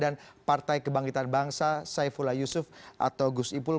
dan partai kebangkitan bangsa saifullah yusuf atau gus ipul